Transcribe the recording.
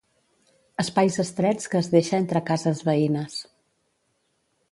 Espais estrets que es deixa entre cases veïnes.